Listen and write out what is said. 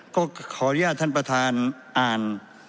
ก็ขออนุญาตท่านประธานอ่าน